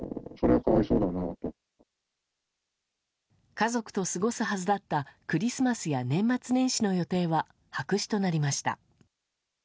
家族と過ごすはずだったクリスマスや年末年始の予定は白紙となりました。